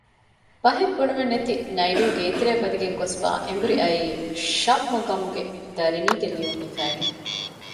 ބަހެއް ބުނުމެއް ނެތި ނައިޑޫ ގޭތެރެއަށް ވަދެގެން ގޮސްފައި އެނބުރި އައީ ޝައްމުގަމުގެ ދަރަނީގެ ލިޔުން ހިފައިގެން